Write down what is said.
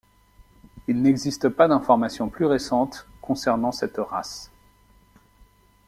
Il n'existe pas d'information plus récentes concernant cette race.